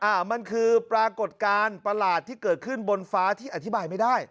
อ่ามันคือปรากฏการณ์ประหลาดที่เกิดขึ้นบนฟ้าที่อธิบายไม่ได้